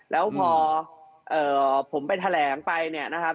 แล้วพอผมไปแถลงไปเนี่ยนะครับ